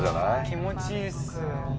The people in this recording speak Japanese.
気持ちいいっすよ